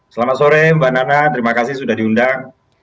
selamat sore mbak nana terima kasih sudah diundang